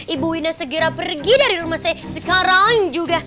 ibu wina segera pergi dari rumah saya sekarang juga